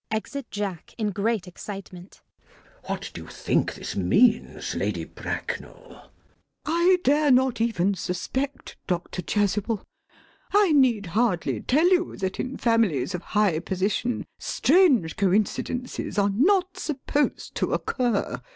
[Exit Jack in great excitement.] CHASUBLE. What do you think this means, Lady Bracknell? LADY BRACKNELL. I dare not even suspect, Dr. Chasuble. I need hardly tell you that in families of high position strange coincidences are not supposed to occur.